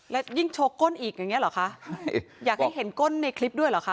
แล้วยิ่งโชว์ก้นอีกอย่างเงี้เหรอคะอยากให้เห็นก้นในคลิปด้วยเหรอคะ